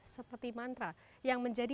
seperti mantra yang menjadi